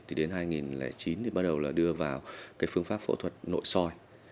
thì đến hai nghìn chín thì bắt đầu là đưa vào cái phương pháp phẫu thuật nội soi